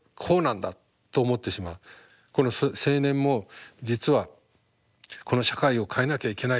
この青年も実は「この社会を変えなきゃいけない。